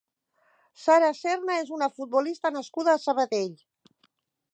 Sara Serna és una futbolista nascuda a Sabadell.